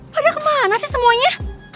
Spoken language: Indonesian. padahal kemana sih semuanya